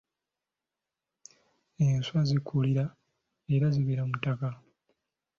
Enswa zikulira era zibeera mu ttaka.